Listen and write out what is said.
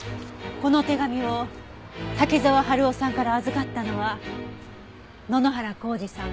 この手紙を滝沢春夫さんから預かったのは野々原宏二さん